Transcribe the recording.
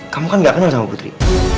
kamu kan gak kenal sama putri